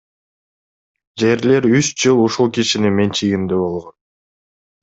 Жерлер үч жыл ушул кишинин менчигинде болгон.